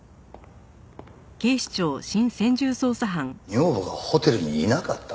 女房がホテルにいなかった？